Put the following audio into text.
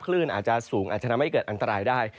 คลื่นอาจจะสูงอาจจะทำให้เกิดอันตรายได้